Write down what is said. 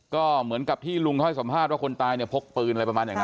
ก็เหมือนกับที่ลุงเขาให้สัมภาษณ์ว่าคนตายเนี่ยพกปืนอะไรประมาณอย่างนั้น